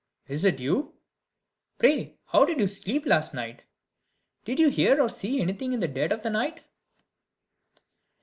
is it you? Pray how did you sleep last night? Did you hear or see anything in the dead of the night?"